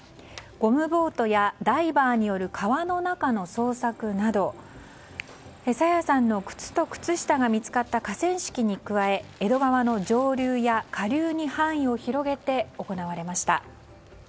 ゴムボートやダイバーによる川の中の捜索など朝芽さんの靴と靴下が見つかった河川敷に加え江戸川の上流や下流に範囲を広げて行われました。